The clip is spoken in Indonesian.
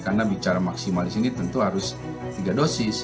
karena bicara maksimal disini tentu harus tiga dosis